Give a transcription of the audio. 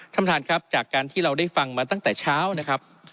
ท่านประธานครับจากการที่เราได้ฟังมาตั้งแต่เช้านะครับ